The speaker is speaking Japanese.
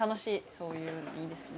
そういうのいいですね。